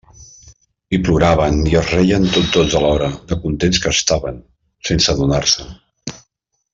I ploraven i es reien tots dos alhora, de contents que estaven, sense adonar-se'n.